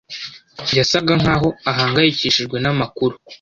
Yasaga nkaho ahangayikishijwe namakuru.